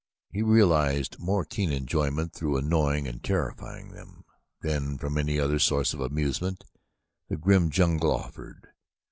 He realized more keen enjoyment through annoying and terrifying them than from any other source of amusement the grim jungle offered.